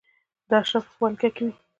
د اشرافو په ولکه کې وې.